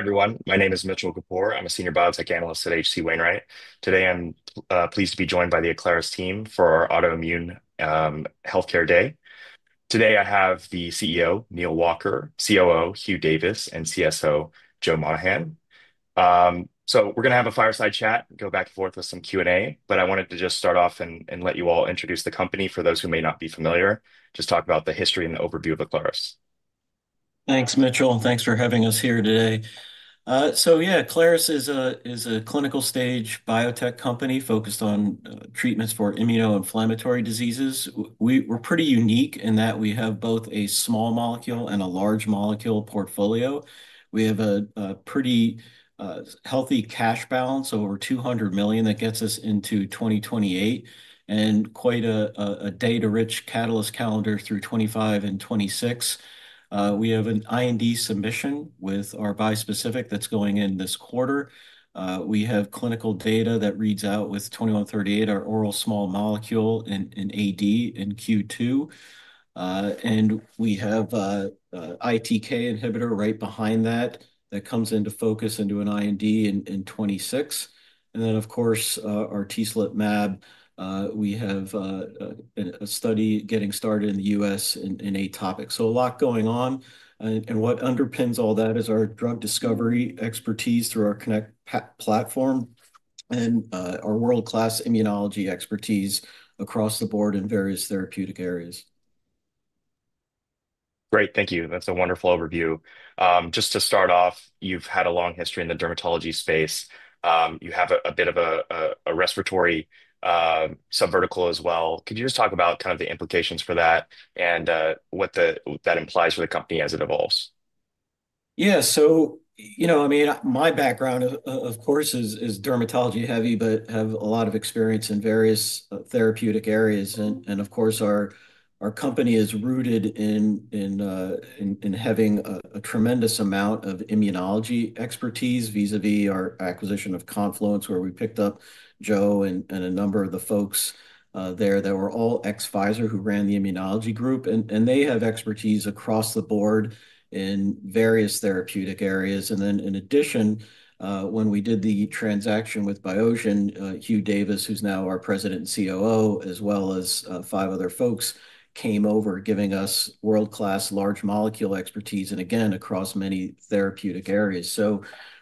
Hi everyone, my name is Mitchell Kapoor. I'm a senior biotech analyst at H.C. Wainwright. Today I'm pleased to be joined by the Aclaris team for our Autoimmune Healthcare Day. I have the CEO, Neal Walker, COO, Hugh Davis, and CSO, Joe Monahan. We're going to have a fireside chat, go back and forth with some Q&A, but I wanted to just start off and let you all introduce the company for those who may not be familiar, just talk about the history and the overview of Aclaris. Thanks, Mitchell, and thanks for having us here today. Yeah, Aclaris is a clinical stage biotech company focused on treatments for immunoinflammatory diseases. We're pretty unique in that we have both a small molecule and a large molecule portfolio. We have a pretty healthy cash balance of over $200 million that gets us into 2028 and quite a data-rich catalyst calendar through 2025 and 2026. We have an IND submission with our bispecific that's going in this quarter. We have clinical data that reads out with 2138, our oral small molecule in AD in Q2. We have an ITK inhibitor right behind that that comes into focus into an IND in 2026. Of course, our TSLP mAb, we have a study getting started in the United States in atopic. A lot going on. What underpins all that is our drug discovery expertise through our KINect platform and our world-class immunology expertise across the board in various therapeutic areas. Great, thank you. That's a wonderful overview. Just to start off, you've had a long history in the dermatology space. You have a bit of a respiratory subvertical as well. Could you just talk about kind of the implications for that and what that implies for the company as it evolves? Yeah, so you know, I mean, my background, of course, is dermatology heavy, but I have a lot of experience in various therapeutic areas. Of course, our company is rooted in having a tremendous amount of immunology expertise vis-à-vis our acquisition of Confluence, where we picked up Joe and a number of the folks there that were all ex-Pfizer who ran the Immunology Group. They have expertise across the board in various therapeutic areas. In addition, when we did the transaction with Biogen, Hugh Davis, who's now our President and COO, as well as five other folks, came over giving us world-class large molecule expertise, and again, across many therapeutic areas.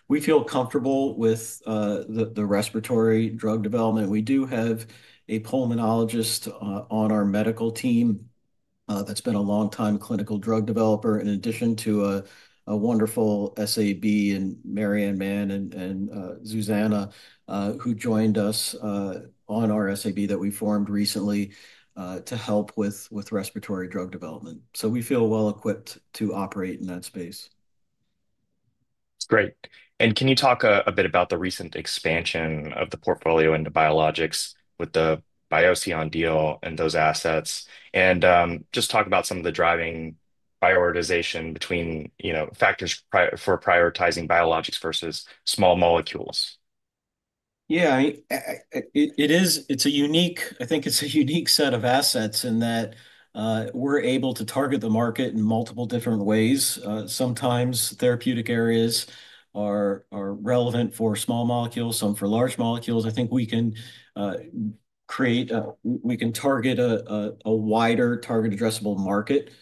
We feel comfortable with the respiratory drug development. We do have a pulmonologist on our medical team that's been a longtime clinical drug developer, in addition to a wonderful SAB and Marianne Mann and Zuzana, who joined us on our SAB that we formed recently to help with respiratory drug development. We feel well equipped to operate in that space. Great. Can you talk a bit about the recent expansion of the portfolio into biologics with the Biosion deal and those assets? Just talk about some of the driving prioritization between factors for prioritizing biologics versus small molecules. Yeah, it's a unique set of assets in that we're able to target the market in multiple different ways. Sometimes therapeutic areas are relevant for small molecules, some for large molecules. I think we can create, we can target a wider target addressable market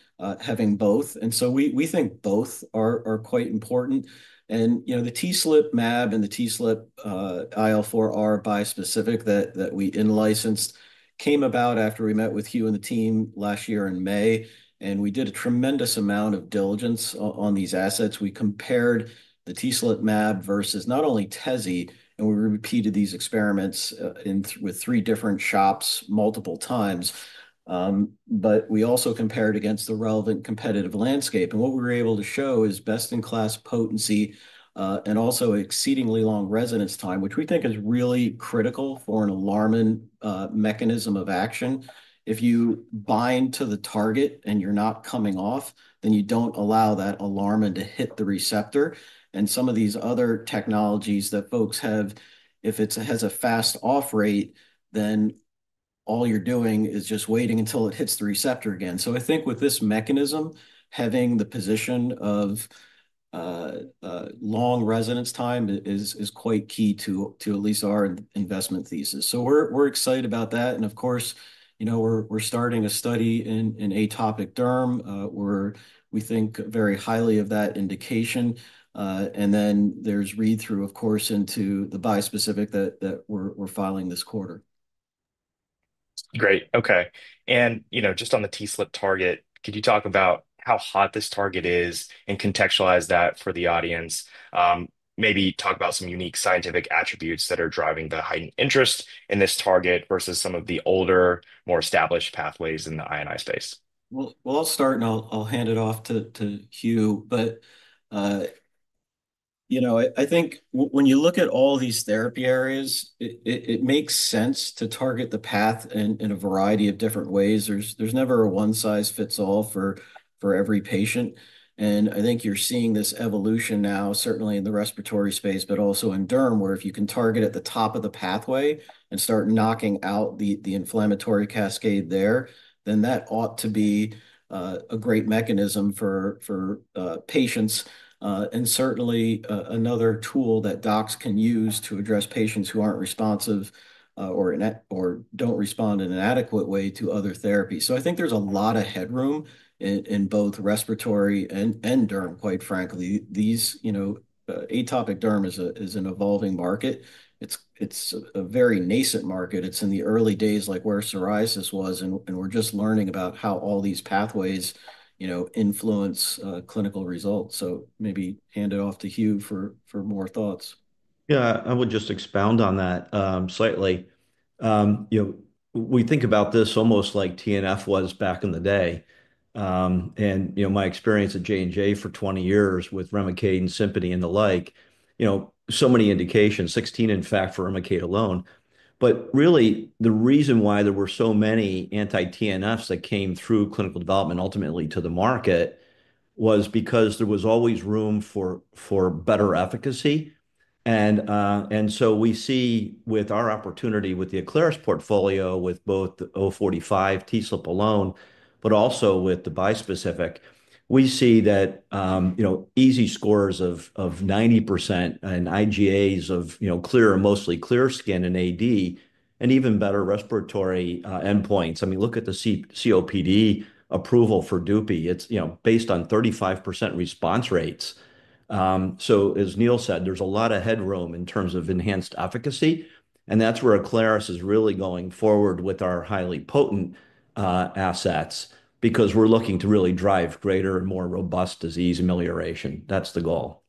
having both. We think both are quite important. The TSLP mAb and the TSLP IL-4R bispecific that we in-licensed came about after we met with Hugh and the team last year in May. We did a tremendous amount of diligence on these assets. We compared the TSLP mAb versus not only TEZSPIRE, and we repeated these experiments with three different shops multiple times. We also compared against the relevant competitive landscape. What we were able to show is best-in-class potency and also exceedingly long residence time, which we think is really critical for an alarming mechanism of action. If you bind to the target and you're not coming off, then you don't allow that alarm to hit the receptor. Some of these other technologies that folks have, if it has a fast off rate, then all you're doing is just waiting until it hits the receptor again. I think with this mechanism, having the position of long residence time is quite key to at least our investment thesis. We're excited about that. Of course, we're starting a study in atopic derm. We think very highly of that indication. There's read-through, of course, into the bispecific that we're filing this quarter. Great. Okay. Just on the TSLP target, could you talk about how hot this target is and contextualize that for the audience? Maybe talk about some unique scientific attributes that are driving the heightened interest in this target versus some of the older, more established pathways in the I&I space. I will start and I will hand it off to Hugh. I think when you look at all these therapy areas, it makes sense to target the path in a variety of different ways. There is never a one-size-fits-all for every patient. I think you are seeing this evolution now, certainly in the respiratory space, but also in derm, where if you can target at the top of the pathway and start knocking out the inflammatory cascade there, that ought to be a great mechanism for patients. Certainly another tool that docs can use to address patients who are not responsive or do not respond in an adequate way to other therapies. I think there is a lot of headroom in both respiratory and derm, quite frankly. Atopic derm is an evolving market. It is a very nascent market. It's in the early days like where psoriasis was, and we're just learning about how all these pathways influence clinical results. Maybe hand it off to Hugh for more thoughts. Yeah, I would just expound on that slightly. We think about this almost like TNF was back in the day. And my experience at J&J for 20 years with Remicade and Simponi and the like, so many indications, 16 in fact for Remicade alone. But really, the reason why there were so many anti-TNFs that came through clinical development ultimately to the market was because there was always room for better efficacy. And so we see with our opportunity with the Aclaris portfolio, with both the 045 TSLP alone, but also with the bispecific, we see that EASI scores of 90% and IGAs of mostly clear skin in AD and even better respiratory endpoints. I mean, look at the COPD approval for Dupixent. It's based on 35% response rates. As Neal said, there's a lot of headroom in terms of enhanced efficacy. That is where Aclaris is really going forward with our highly potent assets because we are looking to really drive greater and more robust disease amelioration. That is the goal.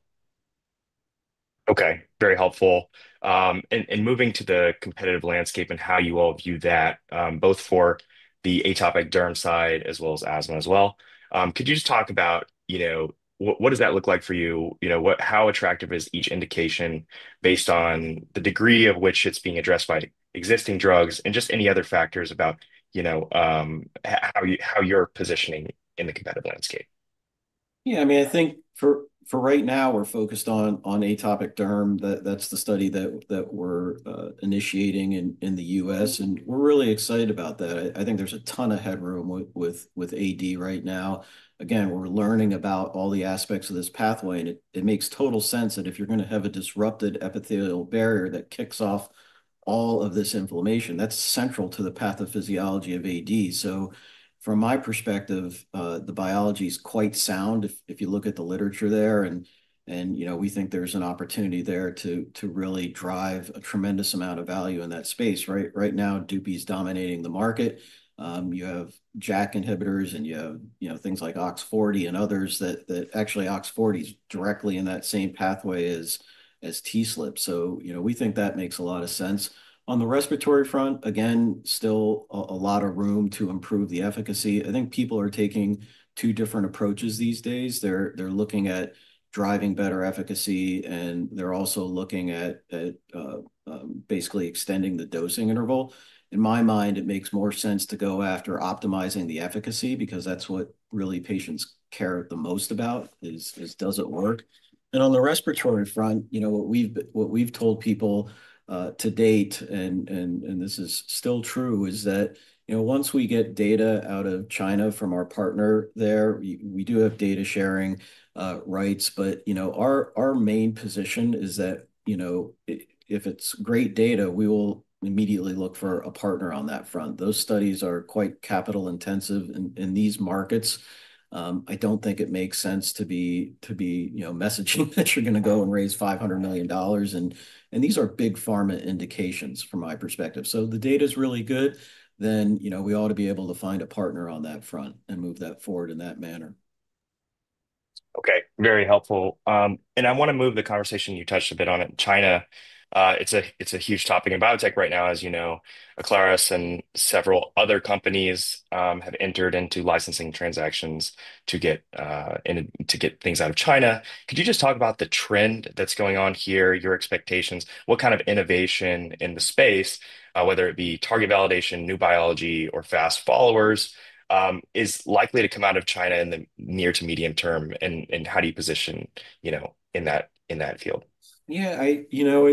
Okay, very helpful. Moving to the competitive landscape and how you all view that, both for the atopic derm side as well as asthma as well. Could you just talk about what does that look like for you? How attractive is each indication based on the degree of which it's being addressed by existing drugs and just any other factors about how you're positioning in the competitive landscape? Yeah, I mean, I think for right now, we're focused on atopic derm. That's the study that we're initiating in the U.S. And we're really excited about that. I think there's a ton of headroom with AD right now. Again, we're learning about all the aspects of this pathway. It makes total sense that if you're going to have a disrupted epithelial barrier that kicks off all of this inflammation, that's central to the pathophysiology of AD. From my perspective, the biology is quite sound if you look at the literature there. We think there's an opportunity there to really drive a tremendous amount of value in that space. Right now, Dupixent is dominating the market. You have JAK inhibitors and you have things like OX40 and others that actually OX40 is directly in that same pathway as TSLP. We think that makes a lot of sense. On the respiratory front, again, still a lot of room to improve the efficacy. I think people are taking two different approaches these days. They're looking at driving better efficacy and they're also looking at basically extending the dosing interval. In my mind, it makes more sense to go after optimizing the efficacy because that's what really patients care the most about is does it work. On the respiratory front, what we've told people to date, and this is still true, is that once we get data out of China from our partner there, we do have data sharing rights. Our main position is that if it's great data, we will immediately look for a partner on that front. Those studies are quite capital intensive in these markets. I don't think it makes sense to be messaging that you're going to go and raise $500 million. These are big Pharma indications from my perspective. If the data is really good, then we ought to be able to find a partner on that front and move that forward in that manner. Okay, very helpful. I want to move the conversation, you touched a bit on it in China. It's a huge topic in biotech right now, as you know, Aclaris and several other companies have entered into licensing transactions to get things out of China. Could you just talk about the trend that's going on here, your expectations, what kind of innovation in the space, whether it be target validation, new biology, or fast followers, is likely to come out of China in the near to medium term? How do you position in that field? Yeah, you know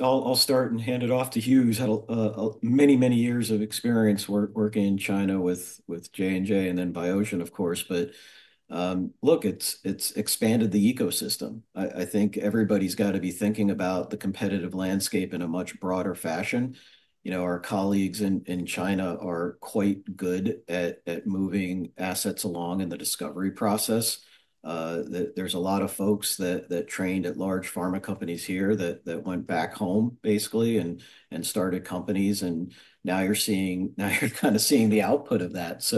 I'll start and hand it off to Hugh, who's had many, many years of experience working in China with J&J and then Biogen, of course. Look, it's expanded the ecosystem. I think everybody's got to be thinking about the competitive landscape in a much broader fashion. Our colleagues in China are quite good at moving assets along in the discovery process. There's a lot of folks that trained at large Pharma companies here that went back home basically and started companies. Now you're kind of seeing the output of that.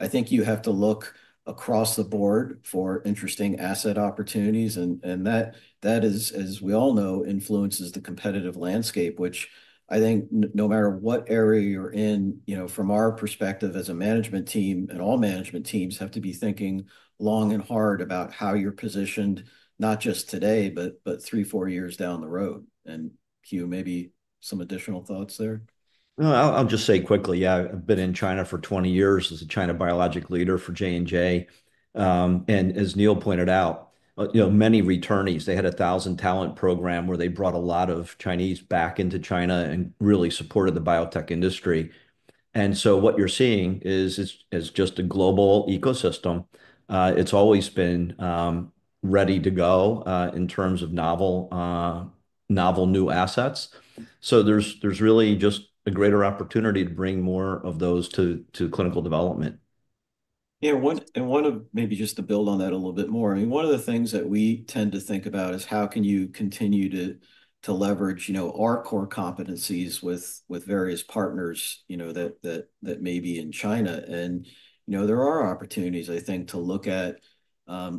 I think you have to look across the board for interesting asset opportunities. That, as we all know, influences the competitive landscape, which I think no matter what area you're in, from our perspective as a management team, and all management teams have to be thinking long and hard about how you're positioned, not just today, but three, four years down the road. Hugh, maybe some additional thoughts there? I'll just say quickly, yeah, I've been in China for 20 years as a China biologic leader for J&J. As Neal pointed out, many returnees, they had a thousand talent program where they brought a lot of Chinese back into China and really supported the biotech industry. What you're seeing is just a global ecosystem. It's always been ready to go in terms of novel new assets. There's really just a greater opportunity to bring more of those to clinical development. Yeah, and maybe just to build on that a little bit more. I mean, one of the things that we tend to think about is how can you continue to leverage our core competencies with various partners that may be in China. There are opportunities, I think, to look at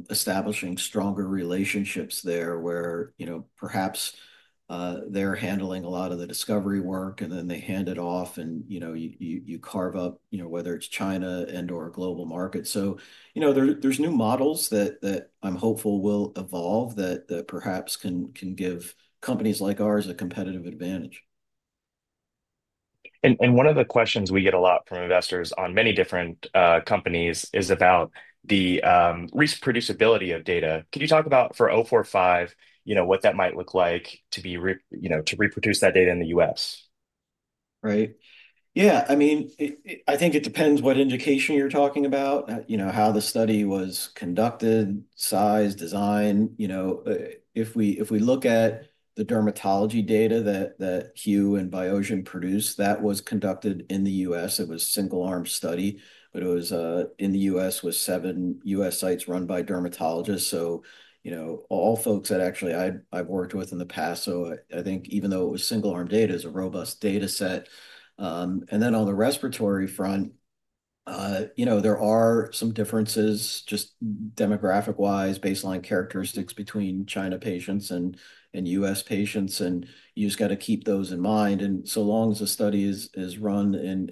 establishing stronger relationships there where perhaps they're handling a lot of the discovery work and then they hand it off and you carve up whether it's China and/or global market. There are new models that I'm hopeful will evolve that perhaps can give companies like ours a competitive advantage. One of the questions we get a lot from investors on many different companies is about the reproducibility of data. Could you talk about for 045, what that might look like to reproduce that data in the U.S.? Right. Yeah, I mean, I think it depends what indication you're talking about, how the study was conducted, size, design. If we look at the dermatology data that Hugh and Biogen produced, that was conducted in the U.S. It was a single-arm study, but in the U.S. with seven U.S. sites run by dermatologists. So all folks that actually I've worked with in the past, so I think even though it was single-arm data, it's a robust data set. On the respiratory front, there are some differences just demographic-wise, baseline characteristics between China patients and U.S. patients. You just got to keep those in mind. As long as the study is run in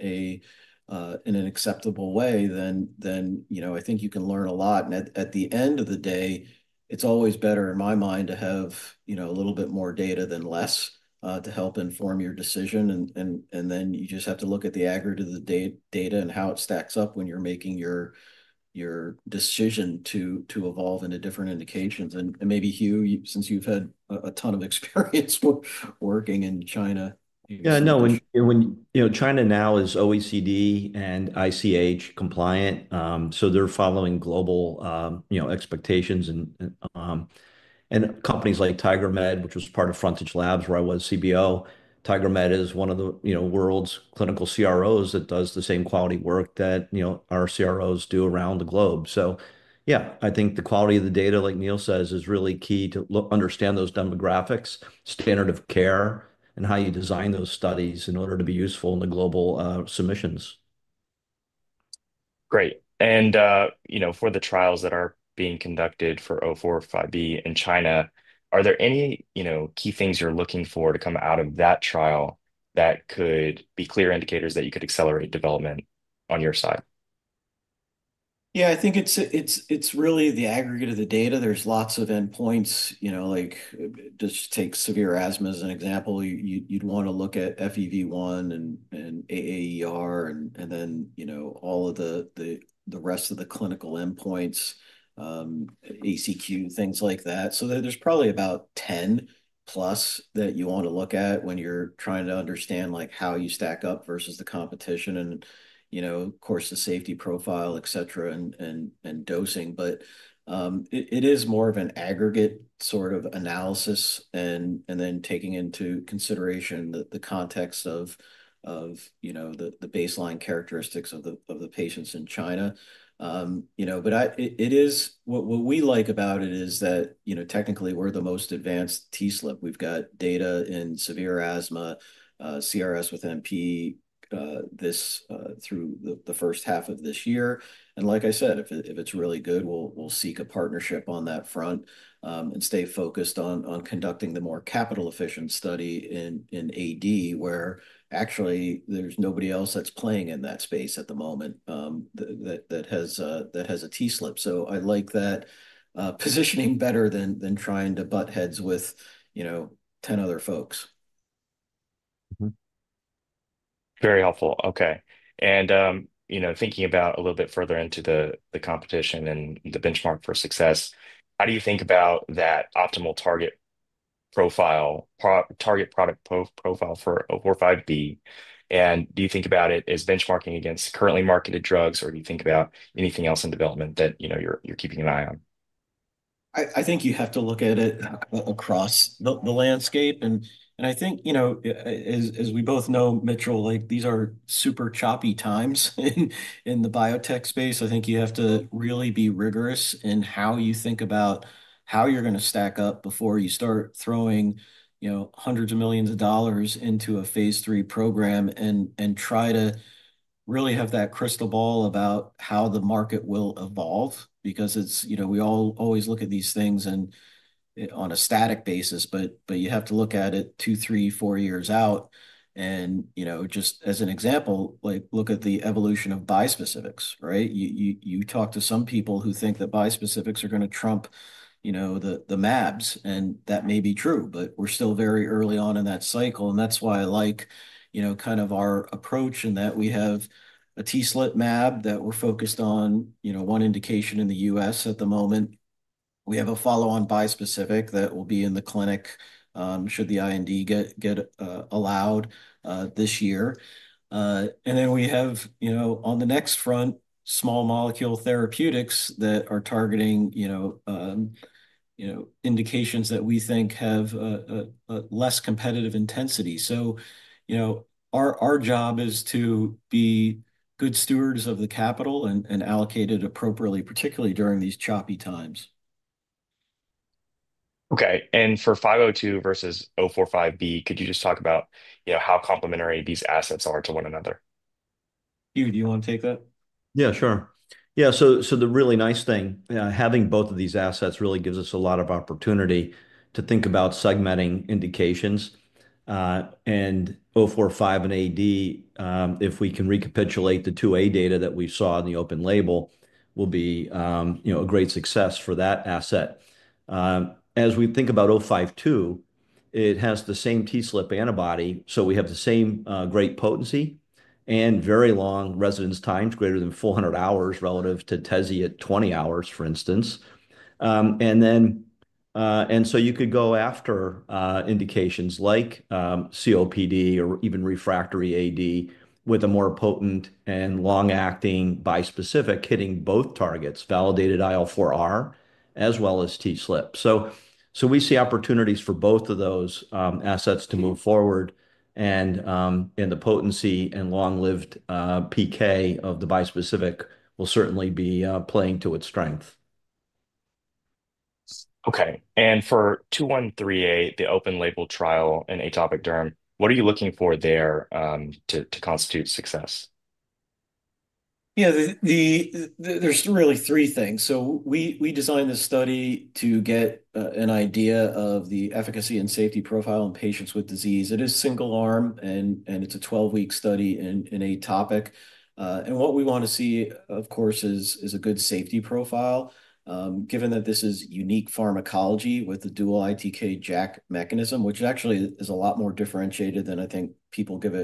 an acceptable way, then I think you can learn a lot. At the end of the day, it's always better in my mind to have a little bit more data than less to help inform your decision. You just have to look at the aggregate of the data and how it stacks up when you're making your decision to evolve into different indications. Maybe Hugh, since you've had a ton of experience working in China. Yeah, no, China now is OECD and ICH compliant. They are following global expectations. Companies like Tigermed, which was part of Frontage Labs where I was CBO, Tigermed is one of the world's clinical CROs that does the same quality work that our CROs do around the globe. I think the quality of the data, like Neal says, is really key to understand those demographics, standard of care, and how you design those studies in order to be useful in the global submissions. Great. For the trials that are being conducted for 045B in China, are there any key things you're looking for to come out of that trial that could be clear indicators that you could accelerate development on your side? Yeah, I think it's really the aggregate of the data. There's lots of endpoints. Just take severe asthma as an example. You'd want to look at FEV1 and AAER and then all of the rest of the clinical endpoints, ACQ, things like that. There's probably about 10-plus that you want to look at when you're trying to understand how you stack up versus the competition and, of course, the safety profile, etc., and dosing. It is more of an aggregate sort of analysis and then taking into consideration the context of the baseline characteristics of the patients in China. What we like about it is that technically we're the most advanced TSLP. We've got data in severe asthma, CRS with NP through the first half of this year. Like I said, if it's really good, we'll seek a partnership on that front and stay focused on conducting the more capital-efficient study in AD where actually there's nobody else that's playing in that space at the moment that has a TSLP. I like that positioning better than trying to butt heads with 10 other folks. Very helpful. Okay. Thinking about a little bit further into the competition and the benchmark for success, how do you think about that optimal target product profile for 045B? Do you think about it as benchmarking against currently marketed drugs or do you think about anything else in development that you're keeping an eye on? I think you have to look at it across the landscape. I think, as we both know, Mitchell, these are super choppy times in the biotech space. I think you have to really be rigorous in how you think about how you're going to stack up before you start throwing hundreds of millions of dollars into a phase three program and try to really have that crystal ball about how the market will evolve because we all always look at these things on a static basis, but you have to look at it two, three, four years out. Just as an example, look at the evolution of bispecifics, right? You talk to some people who think that bispecifics are going to trump the mAbs, and that may be true, but we're still very early on in that cycle. That's why I like kind of our approach in that we have a TSLP mAb that we're focused on one indication in the U.S. at the moment. We have a follow-on bispecific that will be in the clinic should the IND get allowed this year. We have on the next front, small molecule therapeutics that are targeting indications that we think have less competitive intensity. Our job is to be good stewards of the capital and allocate it appropriately, particularly during these choppy times. Okay. For 502 versus 045B, could you just talk about how complementary these assets are to one another? Hugh, do you want to take that? Yeah, sure. Yeah. The really nice thing, having both of these assets really gives us a lot of opportunity to think about segmenting indications. And 045 and AD, if we can recapitulate the 2A data that we saw in the open label, will be a great success for that asset. As we think about 052, it has the same TSLP antibody, so we have the same great potency and very long residence times, greater than 400 hours relative to TEZSPIRE at 20 hours, for instance. You could go after indications like COPD or even refractory AD with a more potent and long-acting bispecific hitting both targets, validated IL-4R as well as TSLP. We see opportunities for both of those assets to move forward. The potency and long-lived PK of the bispecific will certainly be playing to its strength. Okay. For 2138, the open label trial in atopic derm, what are you looking for there to constitute success? Yeah, there's really three things. We designed this study to get an idea of the efficacy and safety profile in patients with disease. It is single-arm, and it's a 12-week study in atopic. What we want to see, of course, is a good safety profile. Given that this is unique pharmacology with the dual ITK-JAK mechanism, which actually is a lot more differentiated than I think people give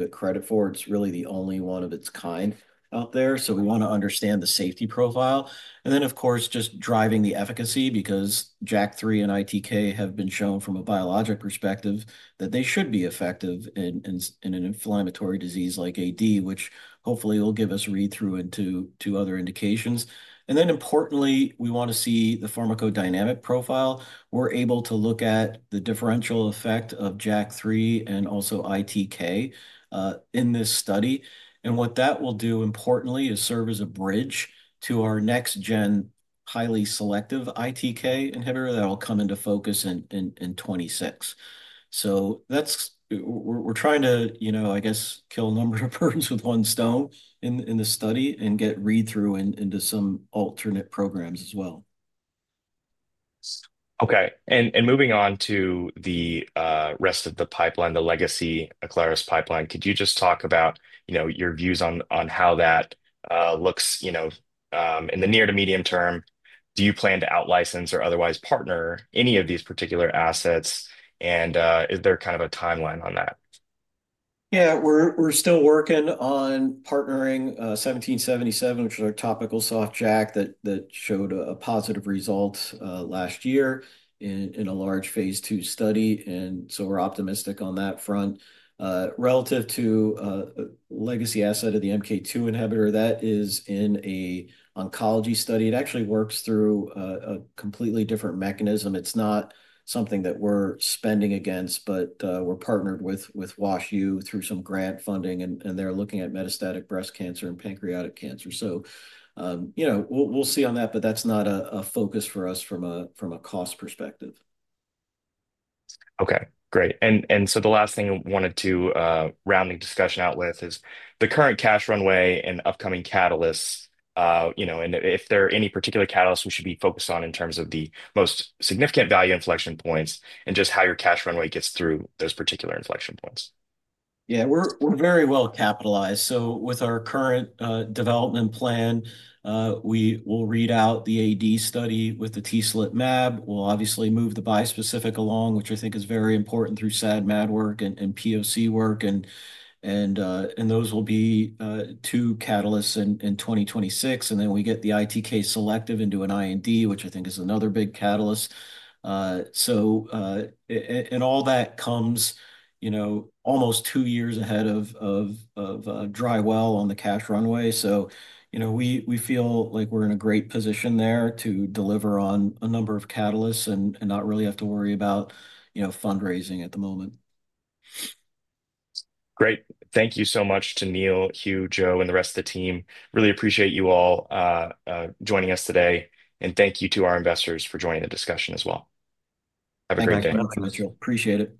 it credit for, it's really the only one of its kind out there. We want to understand the safety profile. Of course, just driving the efficacy because JAK3 and ITK have been shown from a biologic perspective that they should be effective in an inflammatory disease like AD, which hopefully will give us read-through into other indications. Importantly, we want to see the pharmacodynamic profile. We're able to look at the differential effect of JAK3 and also ITK in this study. What that will do importantly is serve as a bridge to our next-gen highly selective ITK inhibitor that will come into focus in 2026. We're trying to, I guess, kill a number of birds with one stone in the study and get read-through into some alternate programs as well. Okay. Moving on to the rest of the pipeline, the legacy Aclaris pipeline, could you just talk about your views on how that looks in the near to medium term? Do you plan to out-license or otherwise partner any of these particular assets? Is there kind of a timeline on that? Yeah, we're still working on partnering 1777, which is our topical soft JAK that showed a positive result last year in a large phase two study. We're optimistic on that front. Relative to a legacy asset of the MK2 inhibitor, that is in an oncology study. It actually works through a completely different mechanism. It's not something that we're spending against, but we're partnered with WashU through some grant funding, and they're looking at metastatic breast cancer and pancreatic cancer. We'll see on that, but that's not a focus for us from a cost perspective. Great. The last thing I wanted to round the discussion out with is the current cash runway and upcoming catalysts. If there are any particular catalysts we should be focused on in terms of the most significant value inflection points and just how your cash runway gets through those particular inflection points. Yeah, we're very well capitalized. With our current development plan, we will read out the AD study with the TSLP mAb. We'll obviously move the bispecific along, which I think is very important through SAD/MAD work and POC work. Those will be two catalysts in 2026. We get the ITK selective into an IND, which I think is another big catalyst. All that comes almost two years ahead of dry well on the cash runway. We feel like we're in a great position there to deliver on a number of catalysts and not really have to worry about fundraising at the moment. Great. Thank you so much to Neal, Hugh, Joe, and the rest of the team. Really appreciate you all joining us today. Thank you to our investors for joining the discussion as well. Have a great day. Thank you, Mitchell. Appreciate it.